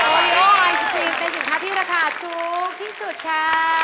โอเลโอแอลฟิตกรีมเป็นสินค้าที่ราคาถูกที่สุดค่ะ